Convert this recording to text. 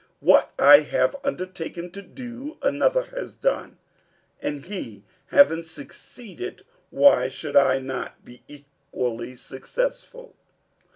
What I have undertaken to do, another has done, and he having succeeded, why should I not be equally successful?"